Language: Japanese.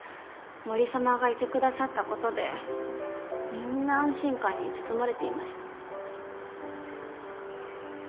森様がいてくださった事でみんな安心感に包まれていました。